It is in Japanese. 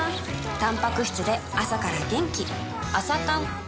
たんぱく質で朝から元気